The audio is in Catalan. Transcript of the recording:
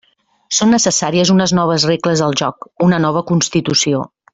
Són necessàries unes noves regles del joc, una nova Constitució.